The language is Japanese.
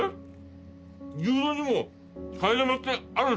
牛丼にも替え玉ってあるんすか？